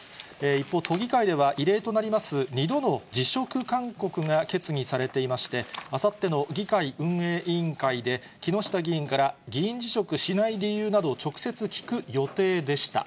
一方、都議会では、異例となります２度の辞職勧告が決議されていまして、あさっての議会運営委員会で、木下議員から議員辞職しない理由などを直接聞く予定でした。